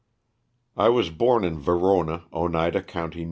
T WAS born in Verona, Oneida county, N.